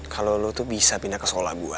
kalo lo tuh bisa pindah ke sekolah gua